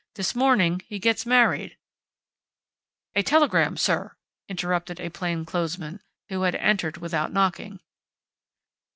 This morning he gets married " "A telegram, sir!" interrupted a plainclothesman, who had entered without knocking.